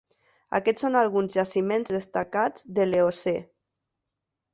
Aquests són alguns jaciments destacats de l'Eocè.